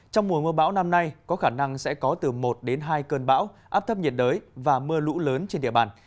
trong mùa mưa bão năm nay có khả năng sẽ có từ một đến hai cơn bão áp thấp nhiệt đới và mưa lũ lớn trên địa bàn